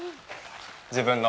自分の。